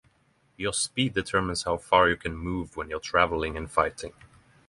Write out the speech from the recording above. Your speed determines how far you can move when traveling and fighting.